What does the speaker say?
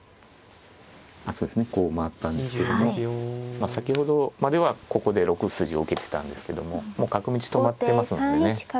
そうですねこう回ったんですけども先ほどまではここで６筋を受けてたんですけどももう角道止まってますのでね